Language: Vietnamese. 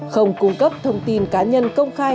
không cung cấp thông tin cá nhân công khai